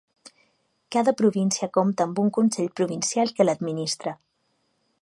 Cada província compta amb un Consell Provincial que l'administra.